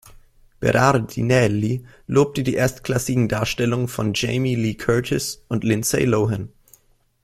Berardinelli lobte die „erstklassigen“ Darstellungen von Jamie Lee Curtis und Lindsay Lohan.